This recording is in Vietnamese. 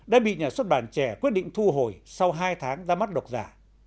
đã bị nhà xuất bản trẻ quyết định thu hồi sau hai tháng ra mắt độc giả